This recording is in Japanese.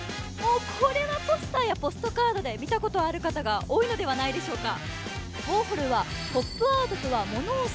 これはポスターやポストカードで見たことある方が多いのではないでしょうか。